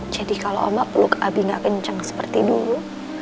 jadi kalau omah peluk abinya kencang seperti dulu